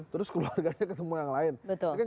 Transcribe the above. terus keluarganya ketemu yang lain